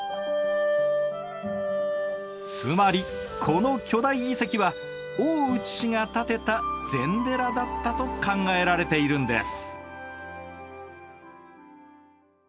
つまりこの巨大遺跡は大内氏が建てた禅寺だったと考えられているんです。